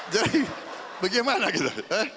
jadi bagaimana gitu